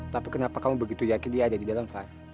tapi kenapa kamu begitu yakin dia ada di dalam five